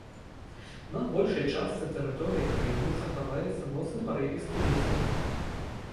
На большай частцы тэрыторыі краіны захаваецца моцны парывісты вецер.